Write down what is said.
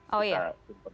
kita simpan dulu